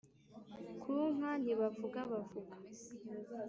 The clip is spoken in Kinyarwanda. ku nka ntibavuga bavuga